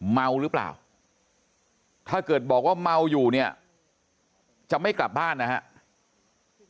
เมาหรือเปล่าถ้าเกิดบอกว่าเมาอยู่เนี่ยจะไม่กลับบ้านนะครับ